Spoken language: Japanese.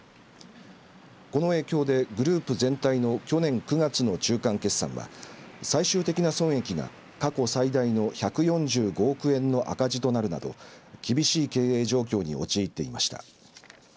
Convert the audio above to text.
この影響でグループ全体の去年９月の中間決算は最終的な損益に過去最大の１４５億円の赤字となるなど厳しい経営状況に陥っていました。